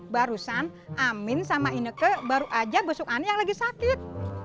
barusan amin sama ineke baru aja busuk ani yang lagi sakit